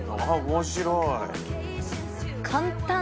面白い」